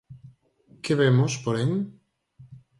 ¿Que vemos, porén?